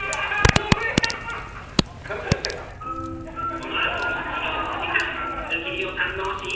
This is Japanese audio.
このあとみっちり１時間水切りを堪能し。